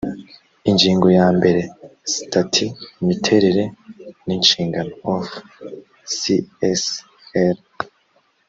ingingo ya mbere sitati imiterere n inshingano of csr